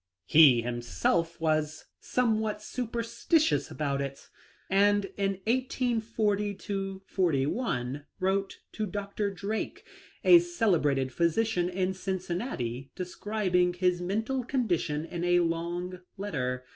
He himself was somewhat superstitious about it, aiid in 1840 41 wrote to Dr. Drake, a celebrated physician in Cincinnati, describing his mental condi tion in a long letter.